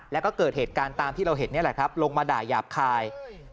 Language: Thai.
แล้วก็เกิดเหตุการณ์ตามที่เราเห็นลงมาด่ายาบคาย